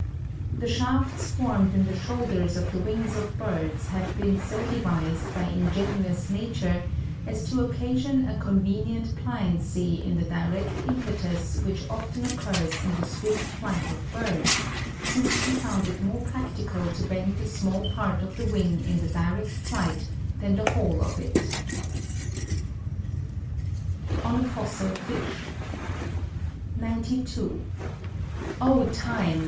The shafts formed in the shoulders of the wings of birds have been so devised by ingenious nature as to occasion a convenient pliancy in the direct impetus which often occurs in the swift flight of birds, since she found it more practical to bend a small part of the wing in the direct flight than the whole of it. [Sidenote: On a Fossil Fish] 92. O time!